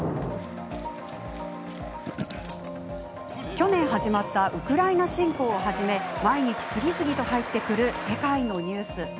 去年、始まったウクライナ侵攻をはじめ毎日、次々と入ってくる世界のニュース。